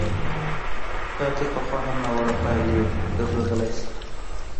دا تر پخوا هم ناوړه پایلې لرلای شي.